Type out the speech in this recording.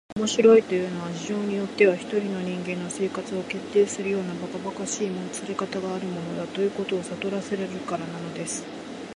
「面白いというのは、事情によっては一人の人間の生活を決定するようなばかばかしいもつれかたがあるものだ、ということをさとらせられるからなんです」